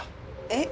え？